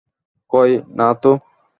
কই, নাতো।